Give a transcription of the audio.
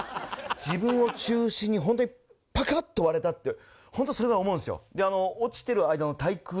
自分を中心に本当にパカッと割れたって本当それぐらい思うんですよ。